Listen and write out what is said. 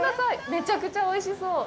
めちゃくちゃおいしそう。